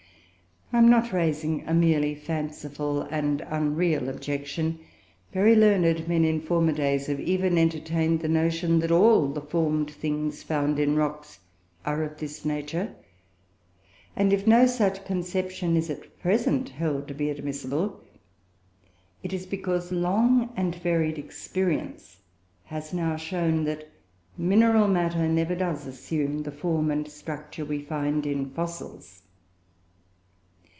I am not raising a merely fanciful and unreal objection. Very learned men, in former days, have even entertained the notion that all the formed things found in rocks are of this nature; and if no such conception is at present held to be admissible, it is because long and varied experience has now shown that mineral matter never does assume the form and structure we find in fossils.